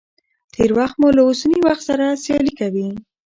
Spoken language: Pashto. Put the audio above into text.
تېر وخت مو له اوسني وخت سره سيالي کوي.